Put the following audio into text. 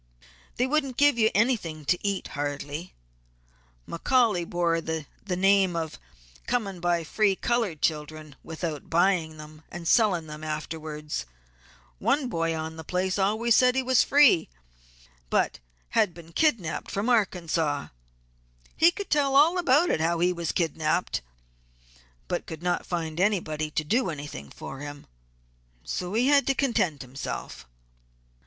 "They wouldn't give you anything to eat hardly. McCaully bore the name of coming by free colored children without buying them, and selling them afterwards. One boy on the place always said that he was free but had been kidnapped from Arkansas. He could tell all about how he was kidnapped, but could not find anybody to do anything for him, so he had to content himself.